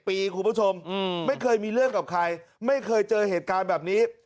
ปีคุณผู้ชมไม่เคยมีเรื่องกับใครไม่เคยเจอเหตุการณ์แบบนี้